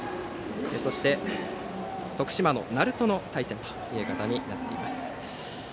そして徳島の鳴門の対戦となっています。